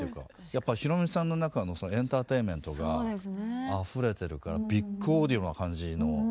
やっぱひろみさんの中のそのエンターテインメントがあふれてるからビッグオーディオな感じの。